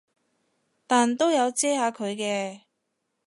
但都有遮下佢嘅